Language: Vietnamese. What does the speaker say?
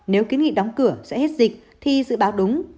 nếu kiến nghị đóng cửa sẽ hết dịch thì dự báo đúng